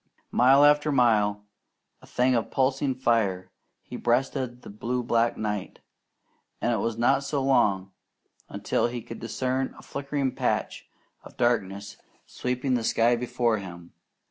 Mile after mile, a thing of pulsing fire, he breasted the blue black night, and it was not so very long until he could discern a flickering patch of darkness sweeping the sky before him.